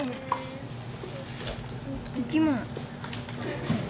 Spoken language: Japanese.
生き物。